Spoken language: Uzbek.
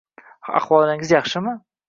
Ahvollaringiz yaxshimi?